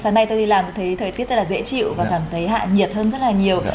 sáng nay tôi đi làm cũng thấy thời tiết rất là dễ chịu và cảm thấy hạ nhiệt hơn rất là nhiều